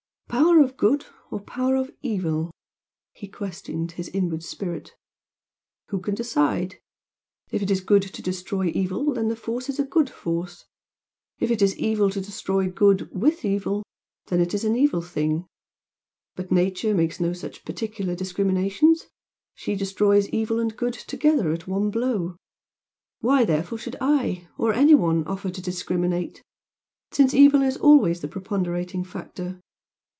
"Power of good or power of evil?" he questioned his inward spirit "Who can decide? If it is good to destroy evil then the force is a good force if it is evil to destroy good WITH evil, then it is an evil thing. But Nature makes no such particular discriminations she destroys evil and good together at one blow. Why therefore should I or anyone offer to discriminate? since evil is always the preponderating factor.